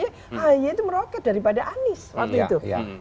ahy itu meroket daripada anies waktu itu